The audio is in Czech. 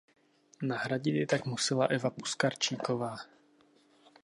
Nahradit ji tak musela Eva Puskarčíková.